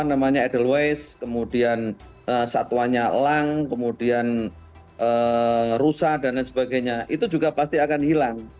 namanya edelweiss kemudian satwanya lang kemudian rusak dan lain sebagainya itu juga pasti akan hilang